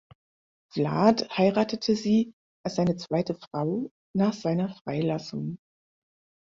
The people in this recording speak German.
Vlad heiratete sie als seine zweite Frau nach seiner Freilassung.